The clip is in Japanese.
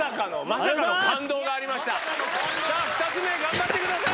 さあ、２つ目、頑張ってください。